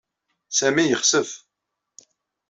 Sami yexsef.